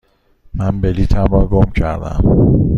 من بلیطم را گم کردم.